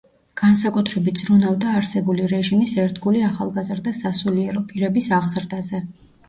განსაკუთრებით ზრუნავდა არსებული რეჟიმის ერთგული ახალგაზრდა სასულიერო პირების აღზრდაზე.